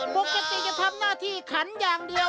ปกติจะทำหน้าที่ขันอย่างเดียว